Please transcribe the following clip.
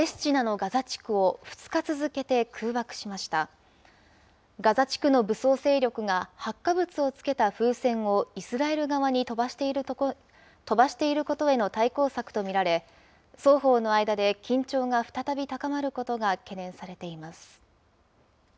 ガザ地区の武装勢力が発火物を付けた風船をイスラエル側に飛ばしていることへの対抗策と見られ、双方の間で緊張が再び高まることが懸念されています。